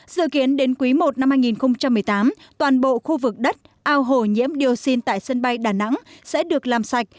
dự kiến đến quý i năm hai nghìn một mươi tám toàn bộ khu vực đất ao hồ nhiễm dioxin tại sân bay đà nẵng sẽ được làm sạch